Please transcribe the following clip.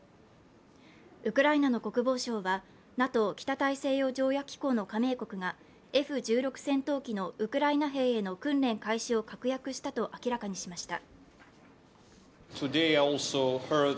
ウクライナの国防省はＮＡＴＯ＝北大西洋条約機構の加盟国がＦ−１６戦闘機のウクライナ兵への訓練開始を確約したと明らかにしました。